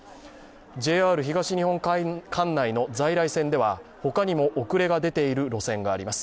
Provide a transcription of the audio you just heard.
ＪＲ東日本管内の在来線では他にも遅れが出ている路線があります。